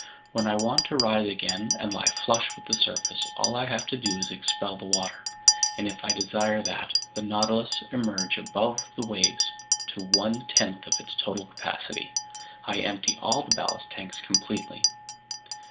When I want to rise again and lie flush with the surface, all I have to do is expel that water; and if I desire that the Nautilus emerge above the waves to one tenth of its total capacity, I empty all the ballast tanks completely."